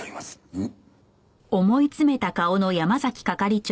うん。